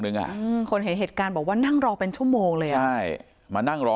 หนึ่งคนเห็นเหตุการณ์บอกว่านั่งรอเป็นชั่วโมงเลยมานั่งรอ